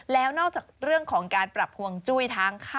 แล้วนอกจากเรื่องของการปรับฮวงจุ้ยทั้งค่า